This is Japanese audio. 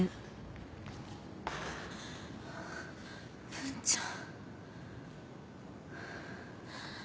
文ちゃん。